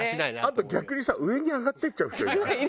あと逆にさ上に上がっていっちゃう人いない？